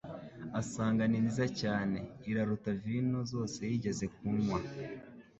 asanga ni nziza cyane, iraruta vino zose yigeze kunywa;